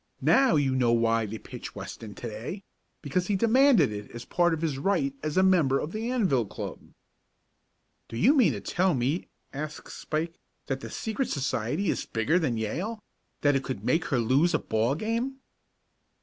Now you know why they pitched Weston to day because he demanded it as a part of his right as a member of the Anvil Club." "Do you mean to tell me," asked Spike, "that the secret society is bigger than Yale that it could make her lose a ball game?"